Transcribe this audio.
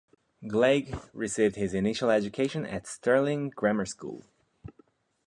Gleig received his initial education at Stirling Grammar school.